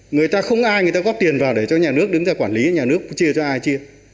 người ta không ai người ta góp tiền vào để cho nhà nước đứng ra quản lý nhà nước chia cho ai chia